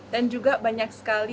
dan juga banyak sekali